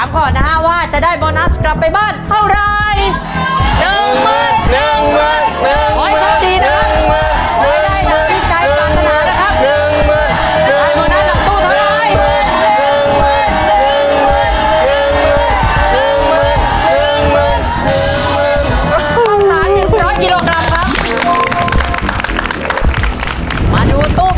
ไปครับมาเลย